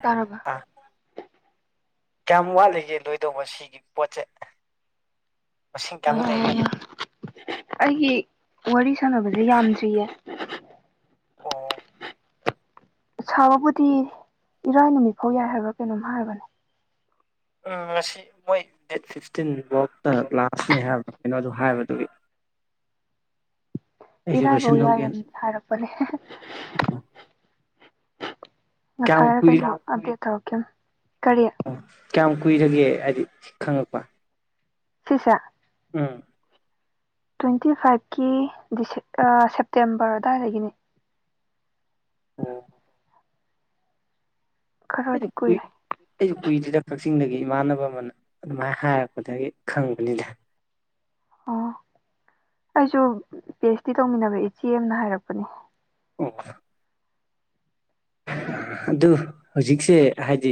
ꯇꯥꯔꯕ ꯑ ꯀꯌꯥꯝ ꯋꯥꯠꯂꯤꯒꯦ ꯂꯣꯏꯗꯧꯕ ꯁꯤꯒꯤ ꯄꯣꯠꯁꯦ ꯃꯁꯤꯡ ꯀꯌꯥꯃꯨꯛ ꯂꯩꯔꯤꯒꯦ ꯑꯩꯒꯤ ꯋꯥꯔꯤ ꯁꯥꯟꯅꯕꯁꯦ ꯌꯥꯝꯗ꯭ꯔꯤꯌꯦ ꯑꯣ ꯁꯥꯕꯕꯨꯗꯤ ꯏꯔꯥꯏ ꯅꯨꯃꯤꯠ ꯐꯥꯎ ꯌꯥꯏ ꯍꯥꯏꯕ꯭ꯔꯥ ꯀꯩꯅꯣꯝ ꯍꯥꯏꯔꯕꯅꯦ ꯎꯝ ꯉꯁꯤ ꯃꯣꯏ ꯗꯦꯠ ꯐꯤꯁꯇꯤꯟꯐꯥꯎꯇ ꯂꯥꯁꯅꯦ ꯍꯥꯏꯕ ꯀꯩꯅꯣꯗ ꯍꯥꯏꯕꯗꯨꯒꯤ ꯑꯩꯁꯨ ꯏꯔꯥꯏꯐꯧ ꯂꯣꯏꯁꯤꯟꯍꯧꯒꯦꯅ ꯌꯥꯏꯒꯅꯤ ꯍꯥꯏꯔꯛꯄꯅꯦ ꯀꯌꯥꯝ ꯉꯁꯥꯏ ꯍꯥꯏꯔ ꯀꯨꯏ ꯀꯩꯅꯣ ꯑꯞꯗꯦꯠ ꯇꯧꯔꯛꯀꯦ ꯀꯔꯤ ꯑꯣ ꯀꯌꯥꯝ ꯀꯨꯏꯔꯒꯦ ꯍꯥꯏꯗꯤ ꯈꯪꯉꯛꯄ ꯆꯤꯁ ꯎꯝ ꯇ꯭ꯋꯦꯟꯇꯤ ꯐꯥꯏꯚꯀꯤ ꯁꯦꯞꯇꯦꯝꯕꯔ ꯑꯗꯨꯋꯥꯏꯗꯒꯤꯅꯤ ꯑꯣ ꯈꯔꯗꯤ ꯀꯨꯏꯔꯦ [inaudible] ꯑꯩꯁꯨ ꯀꯨꯏꯗꯗ ꯀꯛꯆꯤꯡꯗꯒꯤ ꯏꯃꯥꯟꯅꯕ ꯑꯃꯅ ꯑꯗꯨꯃꯥꯏꯅ ꯍꯥꯏꯔꯛꯄꯗꯒꯤ ꯈꯪꯕꯅꯤꯗ ꯑꯣ ꯑꯩꯁꯨ ꯄꯤ ꯑꯩꯆ ꯗꯤ ꯇꯧꯃꯤꯟꯅꯕ ꯏꯆꯦ ꯑꯃꯅ ꯍꯥꯏꯔꯛꯄꯅꯦ ꯑꯣ ꯑꯗꯨ ꯍꯧꯖꯤꯛꯁꯦ ꯍꯥꯏꯗꯤ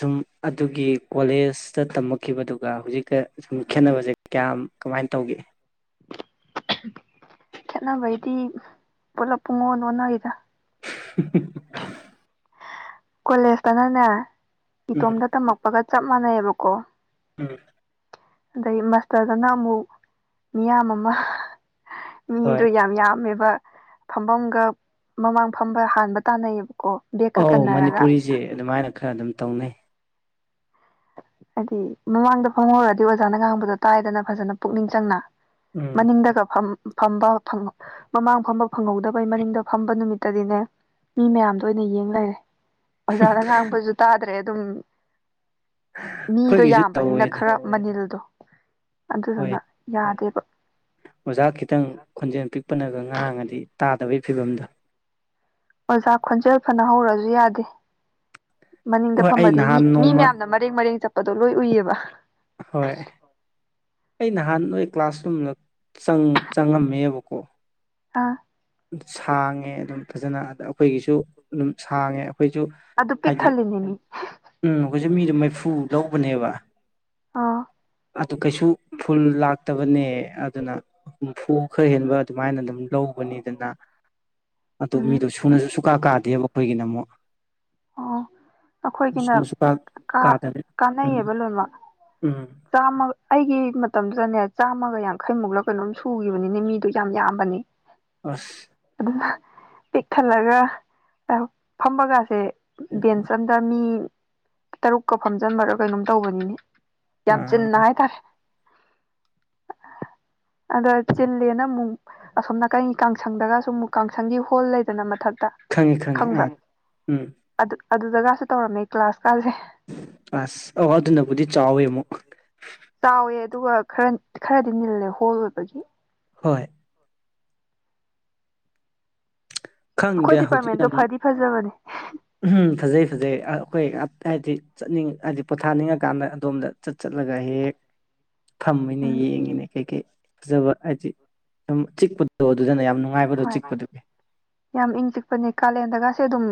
ꯁꯨꯝ ꯑꯗꯨꯒꯤ ꯀꯣꯂꯦꯖꯇ ꯇꯝꯃꯛꯈꯤꯕꯗꯨꯒ ꯍꯧꯖꯤꯛꯀ ꯁꯨꯝ ꯈꯦꯠꯅꯕꯁꯦ ꯀꯌꯥꯝ ꯀꯃꯥꯏꯅ ꯇꯧꯒꯦ ꯈꯦꯠꯅꯕꯩꯗꯤ ꯄꯨꯂꯞ ꯄꯨꯡꯉꯣ ꯑꯣꯟꯅꯈꯤꯗ [inaudible] ꯀꯣꯂꯦꯖꯇꯅꯅꯦ ꯎꯝ ꯏꯇꯣꯝꯇ ꯇꯝꯃꯛꯄꯒ ꯆꯞ ꯃꯥꯟꯅꯩꯑꯕꯀꯣ ꯎꯝ ꯑꯗꯩ ꯃꯥꯁꯇꯔꯗꯅ ꯑꯃꯨꯛ ꯃꯤꯌꯥꯝ ꯑꯃ ꯍꯣꯏ ꯃꯤꯗꯣ ꯌꯥꯝ ꯌꯥꯝꯃꯦꯕ ꯐꯝꯐꯝꯒ ꯃꯃꯥꯡ ꯐꯝꯕ ꯍꯥꯟꯕ ꯇꯥꯟꯅꯩꯌꯦꯕꯀꯣ ꯗꯕꯛ ꯑꯣ ꯃꯅꯤꯄꯨꯔꯤꯁꯦ ꯑꯗꯨꯃꯥꯏꯅ ꯈꯔ ꯑꯗꯨꯝ ꯇꯧꯅꯩ ꯍꯥꯏꯗꯤ ꯃꯃꯥꯡꯗ ꯐꯪꯍꯧꯔꯗꯤ ꯑꯣꯖꯥꯅ ꯉꯥꯡꯕꯗꯣ ꯇꯥꯏꯗꯅ ꯐꯖꯅ ꯄꯨꯛꯅꯤꯡ ꯆꯪꯅ ꯎꯝ ꯃꯅꯤꯡꯗꯒ ꯐꯐꯝ ꯐꯝꯕ ꯃꯃꯥꯡ ꯐꯝꯕ ꯐꯪꯍꯧꯗꯕꯩ ꯃꯔꯤꯡꯗ ꯐꯝꯕ ꯅꯨꯃꯤꯠꯇꯗꯤꯅꯦ ꯃꯤ ꯃꯌꯥꯝꯗꯣ ꯑꯣꯏꯅ ꯌꯦꯡ ꯂꯩꯔꯦ ꯑꯣꯖꯥꯅ ꯉꯥꯡꯕꯁꯨ ꯇꯥꯗ꯭ꯔꯦ ꯑꯗꯨꯝ ꯃꯤꯗꯣ ꯑꯩꯈꯣꯏꯒꯤꯁꯨ ꯌꯥꯝꯕꯅꯤꯅ ꯇꯧꯋꯦꯗ ꯈꯔ ꯃꯅꯤꯜꯗꯣ ꯍꯣꯏ ꯑꯗꯨꯗꯨꯅ ꯌꯥꯗꯦꯕ ꯑꯣꯖꯥ ꯈꯤꯇꯪ ꯈꯣꯟꯖꯦꯜ ꯄꯤꯛꯄꯅꯒ ꯉꯥꯡꯉꯗꯤ ꯇꯥꯗꯕꯒꯤ ꯐꯤꯕꯝꯗꯣ ꯑꯣꯖꯥ ꯈꯣꯟꯖꯦꯜ ꯐꯅ ꯍꯧꯔꯁꯨ ꯌꯥꯗꯦ ꯃꯅꯤꯡꯗ ꯍꯣꯏ ꯑꯩ ꯐꯝꯃꯗꯤ ꯃꯤ ꯅꯍꯥꯟ ꯃꯤ ꯅꯣꯡꯃ ꯃꯌꯥꯝꯅ ꯃꯔꯦꯡ ꯃꯔꯦꯡ ꯆꯠꯄꯗꯣ ꯂꯣꯏ ꯎꯏꯑꯕ ꯍꯣꯏ ꯑꯩ ꯅꯍꯥꯟ ꯅꯣꯏ ꯀ꯭ꯂꯥꯁꯔꯨꯝꯗ ꯆꯪꯉꯝꯃꯦꯕꯀꯣ ꯑ ꯁꯥꯡꯉꯦ ꯑꯗꯨꯝ ꯐꯖꯅ ꯑꯗ ꯑꯩꯈꯣꯏꯒꯤꯁꯨ ꯑꯗꯨꯝ ꯁꯥꯡꯉꯦ ꯑꯩꯈꯣꯏꯁꯨ ꯑꯗꯨ ꯄꯤꯛ ꯍꯥꯏꯗꯤ ꯊꯜꯗꯦꯅꯤ ꯎꯝ ꯑꯩꯈꯣꯏꯁꯦ ꯃꯤꯗ ꯃꯩꯐꯨ ꯂꯧꯕꯅꯦꯕ ꯑꯥ ꯑꯗꯨ ꯀꯩꯁꯨ ꯐꯨꯜ ꯂꯥꯛꯇꯕꯅꯦ ꯑꯗꯨꯅ ꯍꯨꯝꯐꯨ ꯈꯔ ꯍꯦꯟꯕ ꯑꯗꯨꯃꯥꯏꯅ ꯑꯗꯨꯝ ꯂꯧꯕꯅꯤ ꯑꯗꯨꯅ ꯑꯗꯨ ꯎꯝ ꯃꯤꯗꯣ ꯁꯨꯅꯁꯨ ꯁꯨꯀꯥ ꯀꯥꯗꯦꯕ ꯑꯩꯈꯣꯏꯒꯤꯅ ꯑꯃꯨꯛ ꯑꯣ ꯑꯩꯈꯣꯏꯒꯤꯅ ꯁꯨꯀꯥ ꯀꯥ ꯀꯥꯗ꯭ꯔꯦ ꯎꯝ ꯀꯥꯟꯅꯩꯌꯦꯕ ꯂꯣꯏꯅꯃꯛ ꯎꯝ ꯆꯥꯝꯃ ꯑꯩꯒꯤ ꯃꯇꯝꯗꯨꯗꯅꯦ ꯆꯥꯝꯃꯒ ꯌꯥꯡꯈꯩꯃꯨꯛꯂ ꯀꯩꯅꯣꯝ ꯁꯨꯈꯤꯕꯅꯤꯅꯦ ꯃꯤꯗꯣ ꯌꯥꯝ ꯌꯥꯝꯕꯅꯤ ꯑꯁ ꯑꯗꯨ ꯄꯤꯛꯈꯜꯂꯒ ꯐꯝꯕꯒꯥꯁꯦ ꯕꯦꯟꯁ ꯑꯝꯗ ꯃꯤ ꯇꯔꯨꯛꯀ ꯐꯝꯖꯤꯟꯕꯔꯒ ꯀꯩꯅꯣꯝ ꯇꯧꯕꯅꯤꯅꯤ ꯌꯥꯝ ꯑꯥ ꯆꯤꯟꯅ ꯍꯥꯏꯇꯥꯔꯦ [inaudible] ꯑ ꯆꯂꯦꯅ ꯑꯁꯣꯝ ꯅꯥꯀꯩ ꯀꯥꯡꯁꯪꯗꯒꯁꯨ ꯑꯃꯨꯛ ꯀꯥꯡꯁꯪꯒꯤ ꯍꯣꯜ ꯂꯩꯗꯅ ꯃꯊꯛꯇ ꯈꯪꯉꯤ ꯈꯪꯉꯤ ꯈꯪꯕ꯭ꯔꯥ ꯑꯥ ꯎꯝ ꯑꯗꯨ ꯑꯗꯨꯗꯒꯁꯨ ꯇꯧꯔꯝꯃꯦ ꯀ꯭ꯂꯥꯁꯀꯥꯁꯦ ꯑꯁ ꯑ ꯑꯗꯨꯅꯕꯨꯗꯤ ꯆꯥꯎꯋꯦ ꯑꯃꯨꯛ ꯆꯥꯎꯋꯦ ꯑꯗꯨꯒ ꯈꯔ ꯈꯔꯗꯤ ꯅꯤꯜꯂꯦ ꯍꯣꯜ ꯑꯣꯏꯕꯒꯤ ꯍꯣꯏ ꯑꯩꯈꯣꯏ ꯈꯪꯗꯦ ꯍꯧꯖꯤ ꯗꯤꯄꯥꯔꯠꯃꯦꯟꯗꯣ ꯅꯃꯨ ꯐꯗꯤ ꯐꯖꯕꯅꯦ ꯎꯝ ꯐꯖꯩ ꯐꯖꯩ ꯑꯩꯈꯣꯏ ꯍꯥꯏꯗꯤ ꯆꯠꯅꯤꯡ ꯍꯥꯏꯗꯤ ꯄꯣꯊꯥꯅꯤꯡꯉꯀꯥꯟꯗ ꯑꯗꯣꯝꯗ ꯆꯠ ꯆꯠꯂꯒ ꯍꯦꯛ ꯊꯝꯃꯦꯅꯦ ꯎꯝ ꯌꯦꯡꯉꯤꯅꯦ ꯀꯩꯀꯩ ꯐꯖꯕ ꯍꯥꯏꯗꯤ ꯆꯤꯛꯄꯗ ꯑꯗꯣ ꯑꯗꯨꯗꯅ ꯌꯥꯝ ꯅꯨꯡꯉꯥꯏꯕꯗꯣ ꯍꯣꯏ ꯆꯤꯛꯄꯗꯨꯒꯤ ꯌꯥꯝ ꯏꯪ ꯇꯤꯛꯄꯅꯦ ꯀꯥꯂꯦꯟꯗꯒꯁꯦ ꯑꯗꯨꯝ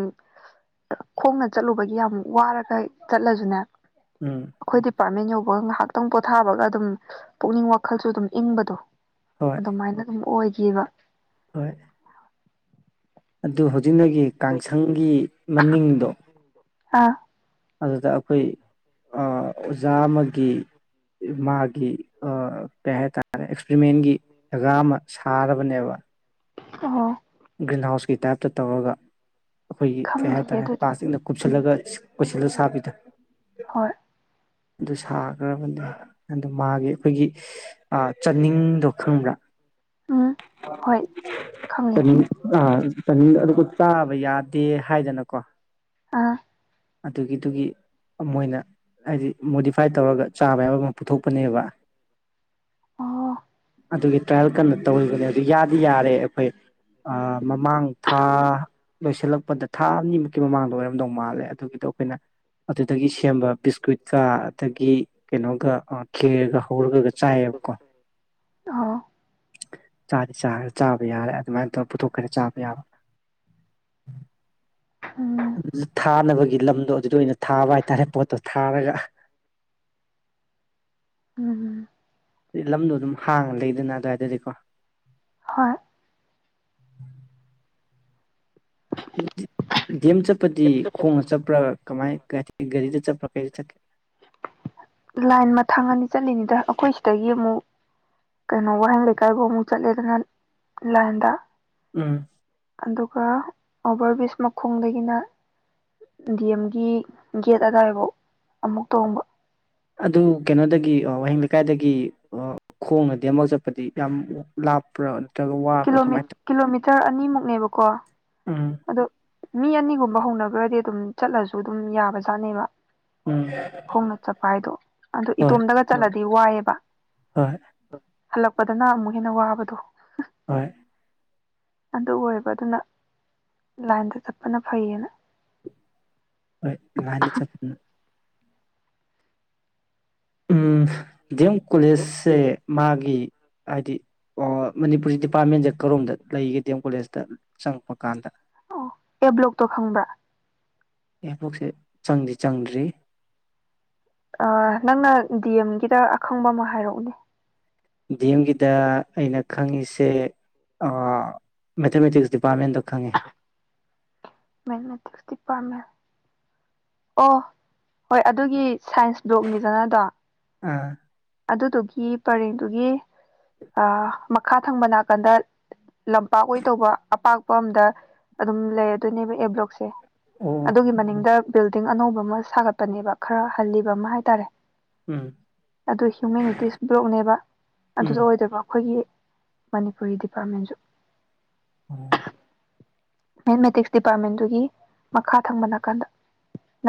ꯈꯣꯡꯅ ꯆꯠꯂꯨꯕꯒꯤ ꯌꯥꯝ ꯋꯥꯔꯒ ꯆꯠꯂꯁꯨꯅꯦ ꯎꯝ ꯑꯩꯈꯣꯏ ꯗꯤꯄꯥꯔꯠꯃꯦꯟ ꯌꯧꯕꯒ ꯉꯥꯏꯍꯥꯛꯇꯪ ꯄꯣꯊꯥꯕꯒ ꯑꯗꯨꯝ ꯄꯨꯛꯅꯤꯡ ꯋꯥꯈꯜꯁꯨ ꯑꯗꯨꯝ ꯏꯪꯕꯗꯣ ꯍꯣꯏ ꯑꯗꯨꯃꯥꯏꯅ ꯑꯗꯨꯝ ꯑꯣꯏꯈꯤꯕ ꯍꯣꯏ ꯑꯗꯨ ꯍꯧꯖꯤꯛꯅꯒꯤ ꯀꯥꯡꯁꯪꯒꯤ ꯃꯅꯤꯡꯗꯣ ꯑꯥ ꯑꯗꯨꯗ ꯑꯩꯈꯣꯏ ꯑꯣꯖꯥ ꯑꯃꯒꯤ ꯃꯥꯒꯤ ꯀꯩ ꯍꯥꯏꯇꯥꯔꯦ ꯑꯦꯛꯁꯄꯔꯤꯃꯦꯟꯒꯤ ꯖꯒꯥ ꯑꯃ ꯁꯥꯔꯕꯅꯦꯕ ꯑꯣ ꯒ꯭ꯔꯤꯟ ꯍꯥꯎꯁꯀꯤ ꯇꯥꯏꯞꯇ ꯇꯧꯔꯒ ꯑꯩꯈꯣꯏꯒꯤ ꯀꯩ ꯈꯪꯗꯤꯌꯦ ꯍꯥꯏꯇꯥꯔꯦ ꯑꯗꯨꯗꯤ ꯄ꯭ꯂꯥꯁꯇꯤꯛꯅ ꯎꯝ ꯀꯨꯞꯁꯤꯜꯂꯒ ꯀꯁꯂ ꯁꯥꯕꯤꯗ ꯍꯣꯏ ꯑꯗꯨ ꯁꯥꯈ꯭ꯔꯕꯅꯦ ꯑꯗꯨ ꯃꯥꯒꯤ ꯑꯩꯈꯣꯏꯒꯤ ꯑ ꯆꯠꯅꯤꯡꯗꯣ ꯈꯪꯕ꯭ꯔꯥ ꯎꯝ ꯍꯣꯏ ꯈꯪꯉꯦ ꯑꯥ [unintelligible] ꯑꯗꯨꯒ ꯆꯥꯕ ꯌꯥꯗꯦ ꯍꯥꯏꯗꯅꯀꯣ ꯑꯥ ꯑꯗꯨꯒꯤꯗꯨꯒꯤ ꯃꯣꯏꯅ ꯍꯥꯏꯗꯤ ꯃꯣꯗꯤꯐꯥꯏ ꯇꯧꯔꯒ ꯆꯥꯕ ꯌꯥꯕ ꯑꯃ ꯄꯨꯊꯣꯛꯄꯅꯦꯕ ꯑꯥ ꯑꯗꯨꯒꯤ ꯇ꯭ꯔꯥꯏꯌꯦꯜ ꯀꯟꯅ ꯇꯧꯔꯤꯕꯅꯦ ꯑꯗꯨ ꯌꯥꯗꯤ ꯌꯥꯔꯦ ꯑꯩꯈꯣꯏ ꯑꯥ ꯃꯃꯥꯡ ꯊꯥ ꯂꯣꯏꯁꯤꯜꯂꯛꯄꯗ ꯊꯥ ꯑꯅꯤꯃꯨꯛꯀꯤ ꯃꯃꯥꯡꯗ ꯑꯣꯏꯔꯝꯗꯧ ꯃꯥꯜꯂꯦ ꯑꯗꯨꯒꯤꯗꯣ ꯑꯩꯈꯣꯏꯅ ꯑꯗꯨꯗꯒꯤ ꯁꯦꯝꯕ ꯕꯤꯁꯀ꯭ꯋꯠꯀ ꯑꯗꯒꯤ ꯀꯩꯅꯣꯒ ꯈꯦꯔꯒ ꯍꯧꯔꯒꯒ ꯆꯥꯏꯑꯕꯀꯣ ꯑꯣ ꯆ ꯆꯥꯕ ꯌꯥꯔꯦ ꯑꯗꯨꯃꯥꯏꯅ ꯇꯧꯔ ꯄꯨꯊꯣꯛꯈꯔꯦ ꯆꯥꯕ ꯌꯥꯕ ꯎꯝ ꯑꯗꯨ ꯊꯥꯅꯕꯒꯤ ꯂꯝꯗꯣ ꯑꯗꯨꯗ ꯑꯣꯏꯅ ꯊꯥꯕ ꯍꯥꯏꯇꯥꯔꯦ ꯄꯣꯠꯇꯣ ꯊꯥꯔꯒ ꯎꯝꯝ ꯂꯝꯗꯣ ꯑꯗꯨꯝ ꯍꯥꯡꯉ ꯂꯩꯗꯅ ꯑꯗꯨꯋꯥꯏꯗꯗꯤꯀꯣ ꯍꯣꯏ ꯗꯤꯑꯦꯝ ꯆꯠꯄꯗꯤ ꯈꯣꯡꯅ ꯆꯠꯄ꯭ꯔꯥ ꯀꯃꯥꯏ ꯒꯥꯔꯤꯗ ꯆꯠꯄ꯭ꯔꯥ ꯀꯩꯗ ꯆꯠꯀꯦ ꯂꯥꯏꯟ ꯃꯊꯥꯡ ꯑꯅꯤ ꯆꯠꯂꯤꯅꯤꯗ ꯑꯩꯈꯣꯏ ꯁꯤꯗꯒꯤ ꯑꯃꯨꯛ ꯀꯩꯅꯣ ꯋꯥꯍꯦꯡ ꯂꯩꯀꯥꯏꯐꯥꯎ ꯑꯃꯨꯛ ꯆꯠꯂꯦꯗꯅ ꯂꯥꯏꯟꯗ ꯎꯝ ꯑꯗꯨꯒ ꯑꯣꯕꯔ ꯕ꯭ꯔꯤꯖ ꯃꯈꯣꯡꯗꯒꯤꯅ ꯗꯤ ꯑꯦꯝꯒꯤ ꯒꯦꯠ ꯑꯗꯨꯗꯥꯋꯥꯏꯐꯥꯎ ꯑꯃꯨꯛ ꯇꯣꯡꯕ ꯑꯗꯨ ꯀꯩꯅꯣꯗꯒꯤ ꯑꯣ ꯋꯥꯍꯦꯡ ꯂꯩꯀꯥꯏꯗꯒꯤ ꯑꯣ ꯈꯣꯡꯅꯗꯤ ꯑꯃꯨꯛ ꯆꯠꯄꯗꯤ ꯌꯥꯝ ꯂꯥꯞꯄ꯭ꯔ ꯀꯤꯂꯣꯃꯤ ꯀꯤꯂꯣꯃꯤꯇꯔ ꯑꯅꯤꯃꯨꯛꯅꯦꯕꯀꯣ ꯎꯝ ꯑꯗꯣ ꯃꯤ ꯑꯅꯤꯒꯨꯝꯕ ꯍꯧꯅꯈ꯭ꯔꯗꯤ ꯑꯗꯨꯝ ꯆꯠꯂꯁꯨ ꯑꯗꯨꯝ ꯌꯥꯕꯖꯥꯠꯅꯦꯕ ꯎꯝ ꯈꯣꯡꯅ ꯆꯠꯄ ꯍꯥꯏꯗꯣ ꯑꯗꯨꯣ ꯍꯣꯏ ꯏꯇꯣꯝꯇꯒ ꯆꯠꯂꯗꯤ ꯋꯥꯏꯑꯦꯕ ꯍꯣꯏ ꯍꯜꯂꯛꯄꯗꯅ ꯑꯃꯨꯛ ꯍꯦꯟꯅ ꯋꯥꯕꯗꯣ ꯍꯣꯏ ꯑꯗꯨ ꯑꯣꯏꯌꯦꯕ ꯑꯗꯨꯅ ꯂꯥꯏꯟꯗ ꯇꯞꯄꯅ ꯐꯩꯌꯦꯅ ꯍꯣꯏ ꯂꯥꯏꯅꯗ ꯆꯠꯄꯅ ꯎꯝ ꯗꯤ ꯑꯦꯝ ꯀꯣꯂꯦꯖꯁꯦ ꯃꯥꯒꯤ ꯍꯥꯏꯗꯤ ꯃꯅꯤꯄꯨꯔꯁ ꯗꯤꯄꯥꯔꯠꯃꯦꯟꯁꯦ ꯀꯔꯣꯝꯗ ꯂꯩꯒꯦ ꯗꯤꯑꯦꯝ ꯀꯣꯂꯦꯖꯇ ꯆꯪꯉꯛꯄ ꯀꯥꯟꯗ ꯑꯣ ꯑꯦ ꯕ꯭ꯂꯣꯛꯇꯣ ꯈꯪꯕ꯭ꯔꯥ ꯑꯦꯕꯂꯣꯛꯁꯦ ꯆꯪꯗꯤ ꯆꯪꯗ꯭ꯔꯤ ꯑꯥ ꯅꯪꯅ ꯗꯤ ꯑꯦꯝꯒꯤꯗ ꯑꯈꯪꯕ ꯑꯃ ꯍꯥꯏꯔꯛꯎꯅꯦ ꯗꯤ ꯑꯦꯝꯒꯤꯗ ꯑꯩꯅ ꯈꯪꯉꯤꯁꯦ ꯃꯦꯊꯃꯦꯇꯤꯛꯁ ꯗꯤꯄꯥꯔꯠꯃꯦꯟꯗꯣ ꯈꯪꯉꯦ ꯃꯦꯠꯃꯦꯇꯤꯛꯁ ꯗꯤꯄꯥꯔꯠꯃꯦꯟ ꯑꯣ ꯍꯣꯏ ꯑꯗꯨꯒꯤ ꯁꯥꯏꯟꯁ ꯕꯣꯛꯅꯤꯗꯅ ꯑꯗꯣ ꯑꯥ ꯑꯗꯨꯗꯨꯒꯤ ꯄꯔꯦꯡꯗꯨꯒꯤ ꯑ ꯃꯈꯥ ꯊꯪꯕ ꯅꯥꯀꯟꯗ ꯂꯝꯄꯥꯛ ꯑꯣꯏ ꯇꯧꯕ ꯑꯄꯥꯛꯄ ꯑꯝꯗ ꯑꯗꯨꯝ ꯂꯩꯔꯗꯣꯏꯅꯦꯕ ꯑꯦꯕ꯭ꯂꯣꯛꯁꯦ ꯑꯣ ꯑꯗꯨꯒꯤ ꯃꯅꯤꯡꯗ ꯕꯤꯜꯗꯤꯡ ꯑꯅꯧꯕ ꯑꯃ ꯁꯥꯒꯠꯄꯅꯦꯕ ꯈꯔ ꯍꯜꯂꯤꯕ ꯑꯃ ꯍꯥꯏꯇꯥꯔꯦ ꯎꯝ ꯑꯗꯨ ꯍ꯭ꯌꯨꯃꯦꯅꯤꯇꯤꯁ ꯕ꯭ꯂꯣꯛꯅꯦꯕ ꯎꯝ ꯑꯗꯨꯗ ꯑꯣꯏꯗꯕ ꯑꯩꯈꯣꯏꯒꯤ ꯃꯅꯤꯄꯨꯔꯤ ꯗꯤꯄꯥꯔꯠꯃꯦꯟꯁꯨ ꯎꯝ ꯃꯦꯠꯃꯦꯇꯤꯛꯁ ꯗꯤꯄꯥꯔꯠꯃꯦꯟꯗꯨꯒꯤ ꯃꯈꯥ ꯊꯪꯕ ꯅꯥꯀꯥꯟꯗ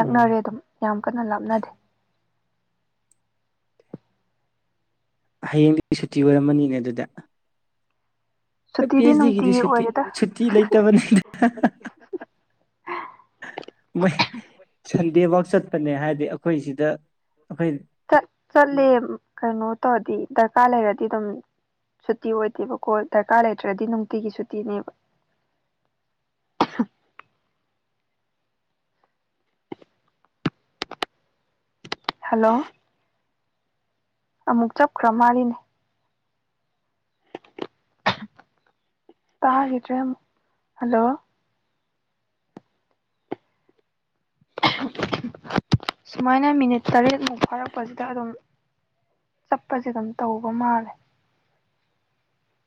ꯎꯝ ꯑꯗꯨꯝ ꯌꯥꯝ ꯀꯟꯅ ꯂꯥꯞꯅꯗꯦ ꯍꯌꯦꯡꯗꯤ ꯁꯨꯇꯤ ꯑꯣꯏꯔꯝꯃꯅꯤꯅꯦ ꯑꯗꯨꯗ ꯍꯣꯏ ꯄꯤ ꯁꯨꯇꯤꯗꯤ ꯑꯩꯆ ꯗꯤꯒꯤꯗꯤ ꯅꯨꯡꯇꯤꯒꯤ ꯑꯣꯏꯔꯦꯗ ꯁꯨꯇꯤ ꯂꯩꯇꯕꯅꯤꯗ ꯃꯣꯏ ꯁꯟꯗꯦ ꯋꯥꯛ ꯆꯠꯄꯅꯦ ꯍꯥꯏꯗꯤ ꯑꯩꯈꯣꯏ ꯁꯤꯗ ꯑꯩꯈꯣꯏ ꯆꯠꯂꯦ ꯀꯩꯅꯣ ꯇꯧꯔꯗꯤ ꯗꯔꯀꯥꯔ ꯂꯩꯔꯗꯤ ꯑꯗꯨꯝ ꯁꯨꯇꯤ ꯑꯣꯏꯗꯦꯕꯀꯣ ꯗꯔꯀꯥꯔ ꯂꯩꯇ꯭ꯔꯗꯤ ꯅꯨꯡꯇꯤꯒꯤ ꯁꯨꯇꯤꯅꯦꯕ ꯍꯜꯂꯣ ꯑꯃꯨꯛ ꯆꯞꯈ꯭ꯔ ꯃꯥꯜꯂꯤꯅꯦ ꯇꯥꯈꯤꯗ꯭ꯔꯦ ꯑꯃꯨꯛ ꯍꯜꯂꯣ ꯁꯨꯃꯥꯏꯅ ꯃꯤꯅꯤꯠ ꯇꯔꯦꯠꯃꯨꯛ ꯐꯥꯔꯛꯄꯁꯤꯗ ꯑꯗꯨꯝ ꯆꯞꯄꯁꯦ ꯑꯗꯨꯝ ꯇꯧꯕ ꯃꯥꯜꯂꯦ